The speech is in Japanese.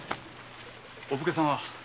お武家様は？